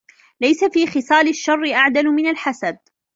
لَيْسَ فِي خِصَالِ الشَّرِّ أَعْدَلُ مِنْ الْحَسَدِ